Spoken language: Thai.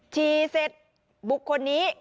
ฉี่เสร็จบุคคลนี้